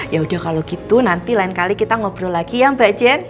ya udah kalau gitu nanti lain kali kita ngobrol lagi ya mbak jen